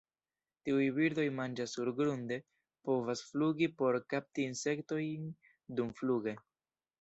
Tiuj birdoj manĝas surgrunde, povas flugi por kapti insektojn dumfluge.